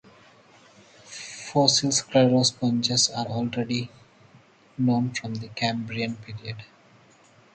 Fossil sclerosponges are already known from the Cambrian period.